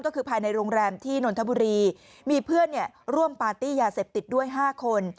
ก็คือภายในโรงแรมที่นนทบุรีมีเพื่อนร่วมปาร์ตี้ยาเสพติดด้วย๕คน